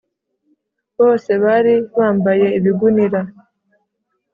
bose bari bambaye ibigunira,